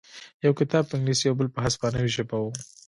یو کتاب په انګلیسي او بل په هسپانوي ژبه و